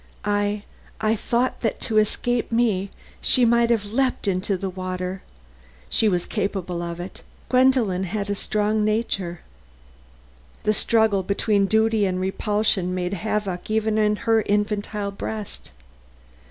I I thought that to escape me, she might have leaped into the water. She was capable of it. Gwendolen had a strong nature. The struggle between duty and repulsion made havoc even in her infantile breast.